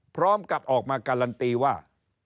พร้อมกับออกมาการันตีว่า